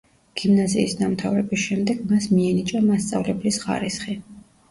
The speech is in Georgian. გიმნაზიის დამთავრების შემდეგ მას მიენიჭა მასწავლებლის ხარისხი.